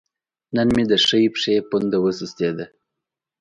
نن مې د ښۍ پښې پونده وسستې ده